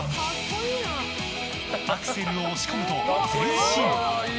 アクセルを押し込むと、前進。